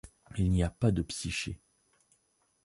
Il n'y a pas de psyché.